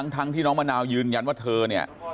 ทั้งที่น้องมะนาวยืนยันว่าเธอเนี่ย